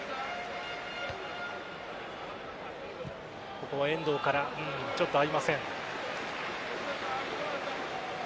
ここは遠藤からちょっと合いません。